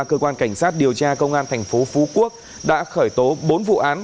cơ quan cảnh sát điều tra công an thành phố phú quốc đã khởi tố bốn vụ án